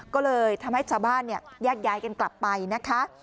ก็เลยทำให้ชาวบ้านแยกย้ายกันกลับไปนะคะ